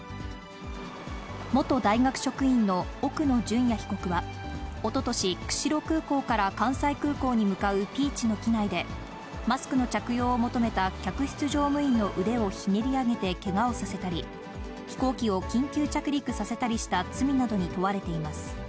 元大学職員の奥野淳也被告は、おととし、釧路空港から関西空港に向かうピーチの機内で、マスクの着用を求めた客室乗務員の腕をひねり上げてけがをさせたり、飛行機を緊急着陸させたりした罪などに問われています。